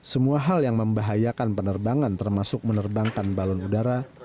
semua hal yang membahayakan penerbangan termasuk menerbangkan balon udara